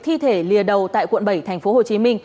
thi thể lìa đầu tại quận bảy tp hcm